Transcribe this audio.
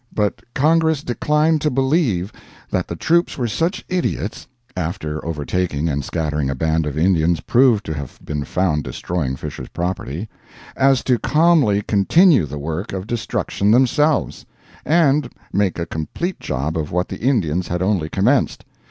But Congress declined to believe that the troops were such idiots (after overtaking and scattering a band of Indians proved to have been found destroying Fisher's property) as to calmly continue the work of destruction themselves; and make a complete job of what the Indians had only commenced.